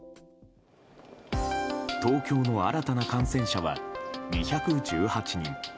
東京の新たな感染者は２１８人。